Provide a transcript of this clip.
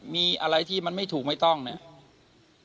มีอะไรที่มันไม่ถูกไม่ต้องเนี่ย